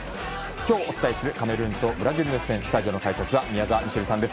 今日お伝えするカメルーンとブラジルの一戦スタジオの解説は宮澤ミシェルさんです。